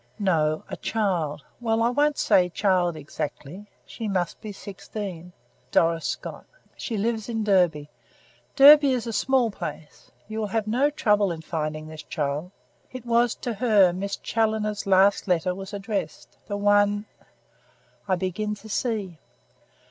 "No, a child; well, I won't say child exactly; she must be sixteen." "Doris Scott." "She lives in Derby. Derby is a small place. You will have no trouble in finding this child. It was to her Miss Challoner's last letter was addressed. The one " "I begin to see."